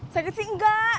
sakit sih enggak